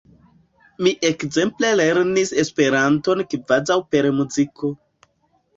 Mi ekzemple lernis Esperanton kvazaŭ per muziko.